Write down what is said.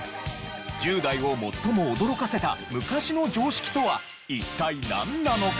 １０代を最も驚かせた昔の常識とは一体なんなのか？